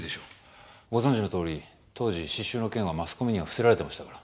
ご存じのとおり当時詩集の件はマスコミには伏せられてましたから。